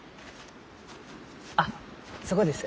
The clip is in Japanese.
あっそこです。